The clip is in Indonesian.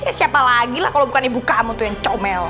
eh siapa lagi lah kalau bukan ibu kamu tuh yang comeo